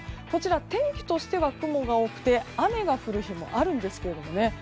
こちらは天気としては雲が多く雨が降る日もあるんですけれどもね。